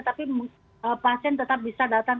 tapi pasien tetap bisa datang